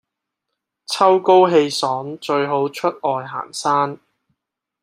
秋高氣爽最好出外行山